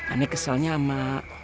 aneh keselnya ama